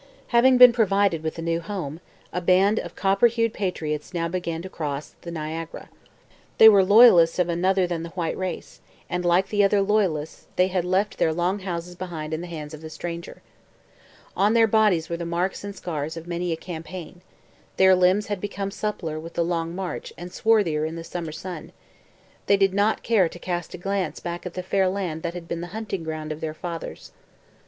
Having been provided with a new home, the band of copper hued patriots now began to cross the Niagara. They were loyalists of another than the white race, and, like the other Loyalists, they had left their Long Houses behind in the hands of the stranger. On their bodies were the marks and scars of many a campaign; their limbs had become suppler with the long march and swarthier in the summer sun; they did not dare to cast a glance back at the fair land that had been the hunting ground of their fathers.